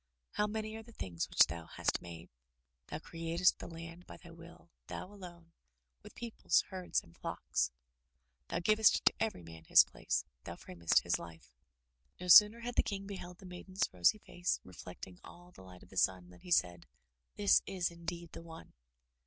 How many are the things which thou hast made! Thou Greatest the land by thy will, thou alone, With peoples, herds, and flocks — Thou givest to every man his place, thouframest his life.'* No sooner had the King beheld the maiden's rosy face, reflecting all the light of the sun, than he said, This is indeed the one!